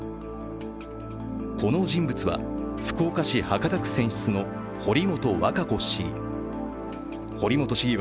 この人物は、福岡市博多区選出の堀本和歌子市議。